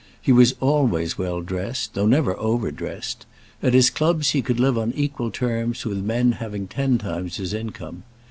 He was always well dressed, though never over dressed. At his clubs he could live on equal terms with men having ten times his income.